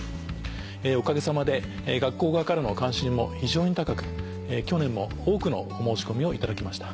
おかげさまで学校側からの関心も非常に高く去年も多くのお申し込みを頂きました。